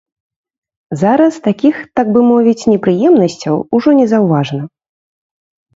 Зараз такіх, так бы мовіць, непрыемнасцяў ужо незаўважна.